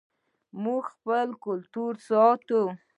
موږ خپل کلتور ساتو